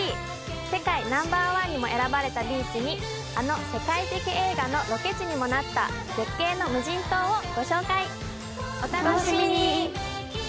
世界ナンバーワンにも選ばれたビーチにあの世界的映画のロケ地にもなった絶景の無人島をご紹介お楽しみに！